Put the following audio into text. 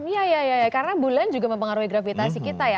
iya iya karena bulan juga mempengaruhi gravitasi kita ya